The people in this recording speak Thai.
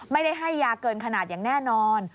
ไม่ได้ให้ยาเกินขนาดอย่างแน่นอน